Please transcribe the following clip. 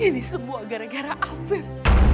ini semua gara gara afif